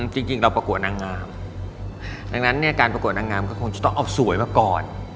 จริงเราประกวดนางงามดังนั้นเนี่ยการประกวดนางงามก็คงจะต้องเอาสวยมาก่อน